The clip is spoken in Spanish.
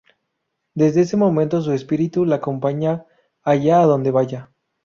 Desde ese momento su espíritu la acompaña allá a donde vaya.